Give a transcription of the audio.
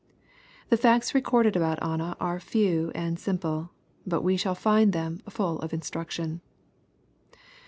The facts recorded about Anna are few and simple. But we shall find them full of instruction.